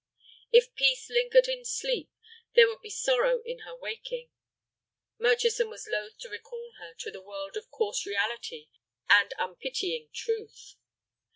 If peace lingered in sleep, there would be sorrow in her waking. Murchison was loath to recall her to the world of coarse reality and unpitying truth.